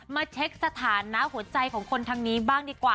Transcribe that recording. มาเช็คสถานะหัวใจของคนทางนี้บ้างดีกว่า